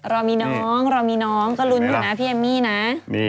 เรามีน้องก็ลุ้นอยู่นะพี่เอมมี่นะ